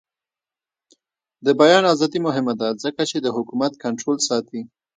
د بیان ازادي مهمه ده ځکه چې د حکومت کنټرول ساتي.